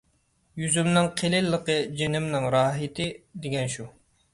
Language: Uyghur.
«يۈزۈمنىڭ قېلىنلىقى جېنىمنىڭ راھىتى» دېگەن شۇ.